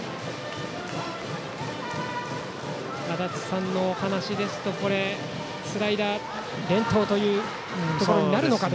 足達さんのお話ですとスライダー連投となるのか。